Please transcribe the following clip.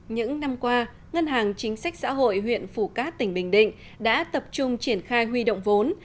những năm qua ngân hàng chính sách xã hội huyện phủ cát tỉnh bình định đã tập trung triển khai huy động vốn